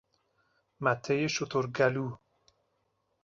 مته شترگلو